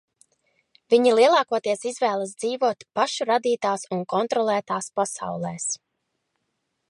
Viņi lielākoties izvēlas dzīvot pašu radītās un kontrolētās pasaulēs.